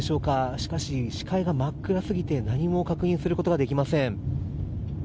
しかし、視界が真っ暗すぎて何も確認することができません。